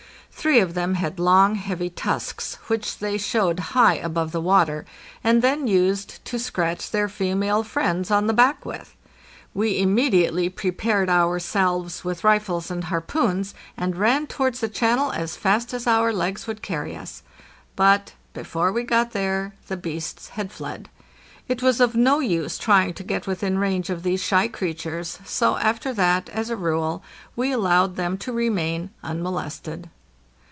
Three of them had long, heavy tusks, which they showed high above the water, and then used to scratch their female friends on the back with. We immediately prepared ourselves with rifles and harpoons, and ran towards the channel as fast as our legs would carry us. But before we got there the beasts had fled. It was of no use trying to get within range of these shy creatures, so, after that, as a rule, we allowed them to remain unmolested.